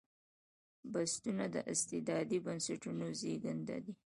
بنسټونه د استبدادي بنسټونو زېږنده ده.